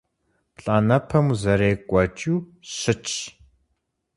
Плӏанэпэм узэреуэкӏыу щытщ.